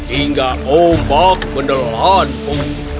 hingga ombak menelanku